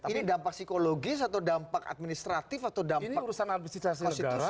ini dampak psikologis atau dampak administratif atau dampak urusan konstitusi